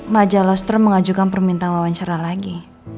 majalah ssterl mengajukan permintaan wawancara lagi